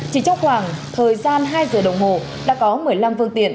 chỉ trong khoảng thời gian hai giờ đồng hồ đã có một mươi năm phương tiện